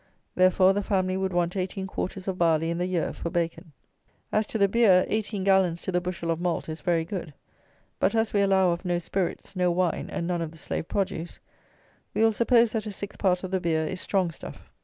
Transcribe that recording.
Therefore, the family would want 18 quarters of barley in the year for bacon. As to the beer, 18 gallons to the bushel of malt is very good; but, as we allow of no spirits, no wine, and none of the slave produce, we will suppose that a sixth part of the beer is strong stuff.